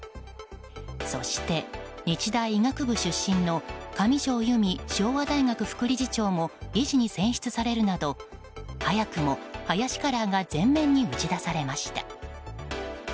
そして日大医学部出身の上条由美さんが選出されるなど早くも林カラーが前面に打ち出されました。